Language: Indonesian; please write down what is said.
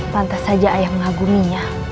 pantas saja ayah mengaguminya